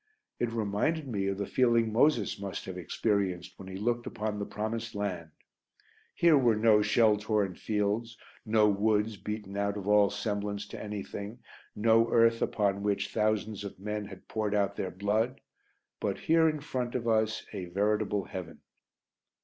It reminded me of the feeling Moses must have experienced when he looked upon the Promised Land. Here were no shell torn fields, no woods beaten out of all semblance to anything, no earth upon which thousands of men had poured out their blood; but, here in front of us, a veritable heaven.